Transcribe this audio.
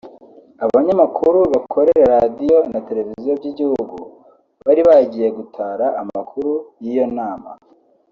Abanyamakuru bakorera radio na televiziyo by’igihugu bari bagiye gutara amakuru y’iyo nama